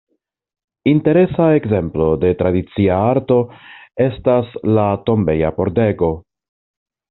Interesa ekzemplo de tradicia arto estas la tombeja pordego.